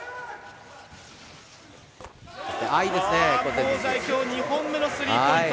香西、きょう２本目のスリーポイント。